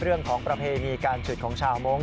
เรื่องของประเพณีการฉุดของชาวมงค์